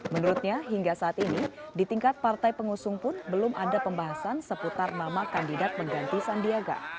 menurutnya hingga saat ini di tingkat partai pengusung pun belum ada pembahasan seputar nama kandidat mengganti sandiaga